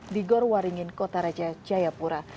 di gorwaringin kota raja jayapura